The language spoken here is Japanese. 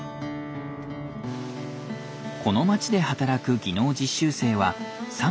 この町で働く技能実習生は３７３人。